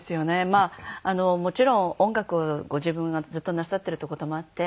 まあもちろん音楽をご自分がずっとなさっているっていう事もあって。